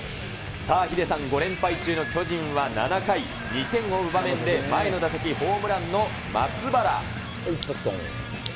さあ、ヒデさん、５連敗中の巨人は、７回、２点を追う場面で前の打席、ホームランの松原。